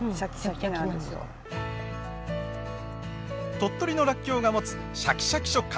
鳥取のらっきょうが持つシャキシャキ食感。